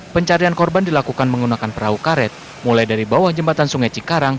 pencarian korban dilakukan menggunakan perahu karet mulai dari bawah jembatan sungai cikarang